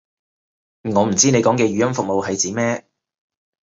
我唔知你講嘅語音服務係指咩